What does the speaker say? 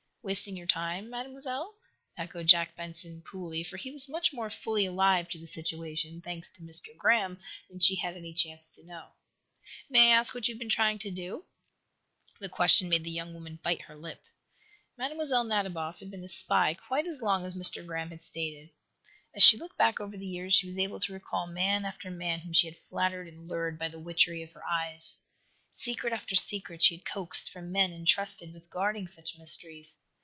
"Wasting your time, Mademoiselle?" echoed Jack Benson, coolly, for he was much more fully alive to the situation, thanks to Mr Graham, than she had any chance to know. "May I ask what you have been trying to do?" The question made the young woman bite her lip. Mlle. Nadiboff had been a spy quite as long as Mr. Graham had stated. As she looked back over the years she was able to recall man after man whom she had flattered and lured by the witchery of her eyes. Secret after secret she had coaxed from men entrusted with guarding such mysteries.